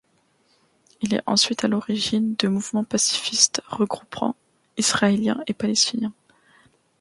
Il est ensuite à l'origine de mouvements pacifistes regroupant Israéliens et Palestiniens.